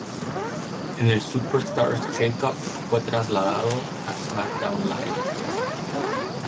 En el Superstars Shake Up fue trasladado a SmackDown Live.